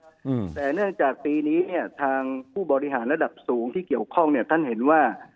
อืมแต่เนื่องจากปีนี้เนี้ยทางผู้บริหารระดับสูงที่เกี่ยวข้องเนี้ยท่านเห็นว่า